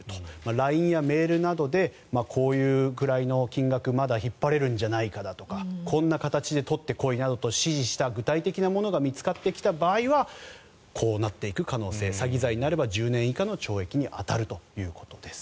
ＬＩＮＥやメールなどでこういうくらいの金額まだ引っ張れるんじゃないかだとかこんな形で取ってこいなどと指示した具体的なものが見つかってきた場合はこうなっていく可能性詐欺罪になれば１０年以下の懲役に当たるということです。